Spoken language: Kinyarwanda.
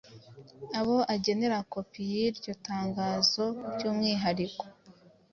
abo agenera kopi y’iryo tangazo by’umwihariko